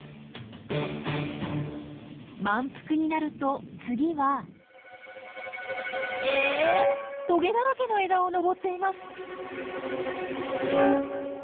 満腹になると次はえトゲだらけの枝を登っています！